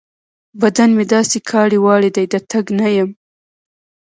بدن مې داسې کاړې واړې دی؛ د تګ نه يم.